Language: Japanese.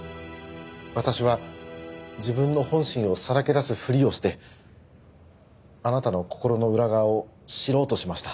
私は自分の本心をさらけ出すふりをしてあなたの心の裏側を知ろうとしました。